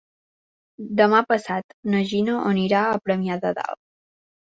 Demà passat na Gina anirà a Premià de Dalt.